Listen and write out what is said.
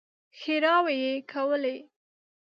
ښېراوې يې کولې.